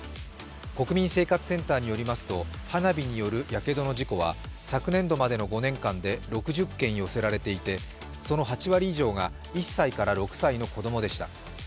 国民生活センターによりますと花火によるやけどの事故は昨年度までの５年間で６０件寄せられていてその８割以上が１歳から６歳の子供でした。